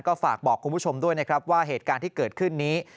ก็ฝากบอกคุณผู้ชมด้วยนะครับว่าเหตุการณ์ที่เกิดขึ้นนี้